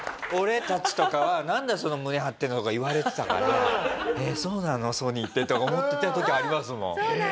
俺たちとかは「なんだよその胸張ってるの」とか言われてたから「そうなの？ソニーって」とか思ってた時ありますもん。